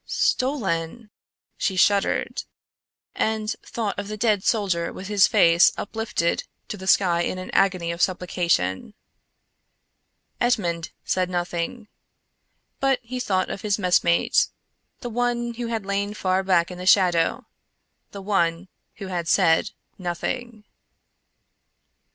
"Stolen," she shuddered, and thought of the dead soldier with his face uplifted to the sky in an agony of supplication. Edmond said nothing; but he thought of his messmate; the one who had lain far back in the shadow; the one who had said nothing.